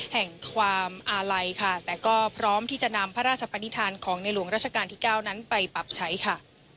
แห่งความอาลัยค่ะแต่ก็พร้อมที่จะนำพระราชปนิษฐานของในหลวงราชการที่๙นั้นไปปรับใช้ค่ะ